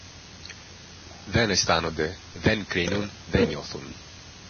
δεν αισθάνονται, δεν κρίνουν, δε νιώθουν